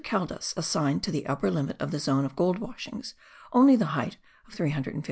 Caldas assigns to the upper limit of the zone of gold washings, only the height of 350 toises.